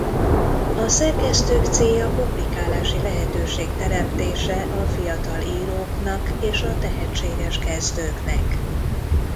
A szerkesztők célja publikálási lehetőség teremtése a fiatal íróknak és a tehetséges kezdőknek.